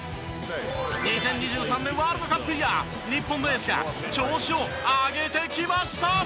２０２３年ワールドカップイヤー日本のエースが調子を上げてきました。